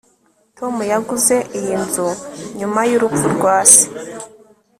tom yaguze iyi nzu nyuma y'urupfu rwa se